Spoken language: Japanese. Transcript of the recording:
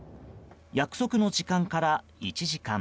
約束の時間から１時間。